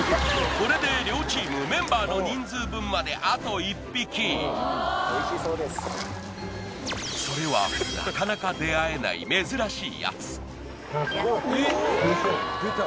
これで両チームメンバーの人数分まであと１匹それはなかなか出会えない珍しいやつ